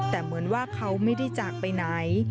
แต่เหมือนว่าเขาไม่ได้จากไปไหน